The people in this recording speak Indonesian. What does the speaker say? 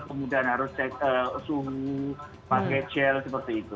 kemudian harus cek suhu pakai gel seperti itu